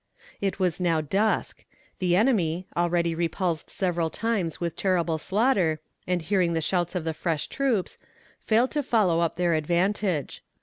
It was now dusk. The enemy, already repulsed several times with terrible slaughter, and hearing the shouts of the fresh troops, failed to follow up their advantage.